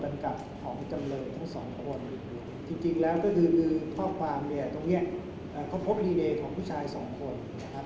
เป็นการปรีบหัวจอกแปลว่าไม่ตรงกันกับของจำลินทุนสองคน